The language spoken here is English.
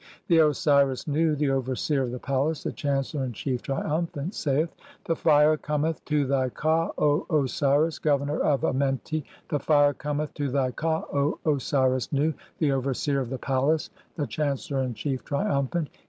(3) The Osiris Nu, the overseer of the palace, the chancellor in chief, triumphant, saith :— "The fire cometh to thy KA, O Osiris, governor of Amenti ; "the fire (4) cometh to thy Ka, O Osiris Nu, the overseer of "the palace, the chancellor in chief, triumphant.